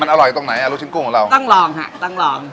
อร่อยตรงไหนอ่ะลูกชิ้นกุ้งของเราต้องลองฮะต้องลอง